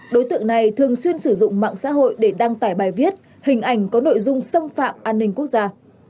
đối tượng này thường xuyên sử dụng mạng xã hội để đăng tải bài viết hình ảnh có nội dung xâm phạm an ninh quốc gia